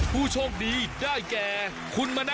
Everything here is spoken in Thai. สุดท้ายค่ะสุดท้ายค่ะ